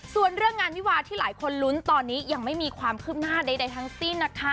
ส่วนเรื่องงานวิวาที่หลายคนลุ้นตอนนี้ยังไม่มีความคืบหน้าใดทั้งสิ้นนะคะ